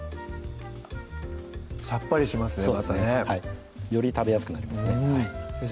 さっぱりしますねまたねより食べやすくなりますね先生